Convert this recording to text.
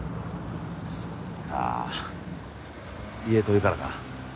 そっか家遠いからか？